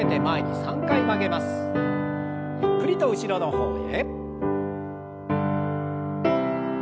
ゆっくりと後ろの方へ。